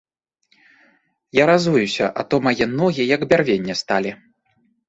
Я разуюся, а то мае ногі як бярвенне сталі.